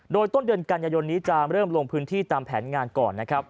โดยต้นเดือนกันยายนนี้จะเริ่มลงพื้นที่ตามแผนงานก่อนนะครับ